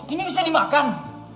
ini bisa dimakan